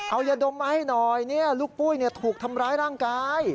เอายาดมมาให้หน่อยลูกปุ้ยถูกทำร้ายร่างกาย